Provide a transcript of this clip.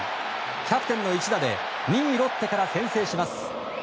キャプテンの一打で２位、ロッテから先制します。